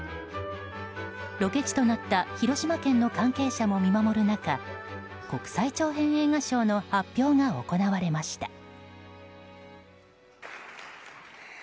ロケ地となった広島県の関係者も見守る中国際長編映画賞の発表が行われました。